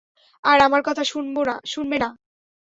আর আমার কথা শুনবে না।